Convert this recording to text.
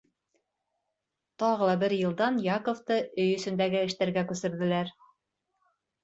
Тағы ла бер йылдан Яковты өй эсендәге эштәргә күсерҙеләр.